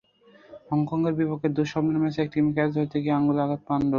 হংকংয়ের বিপক্ষে দুঃস্বপ্নের ম্যাচে একটি ক্যাচ ধরতে গিয়ে আঙুলে আঘাত পান রুবেল।